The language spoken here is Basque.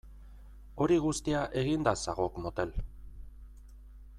Hori guztia eginda zagok motel!